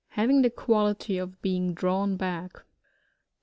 — Having the quality of being drawn back.